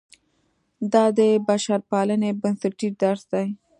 دا د بشرپالنې بنسټیز درس دی.